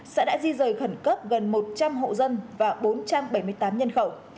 xã đã di rời khẩn cấp gần một trăm linh hộ dân và bốn trăm bảy mươi tám nhân khẩu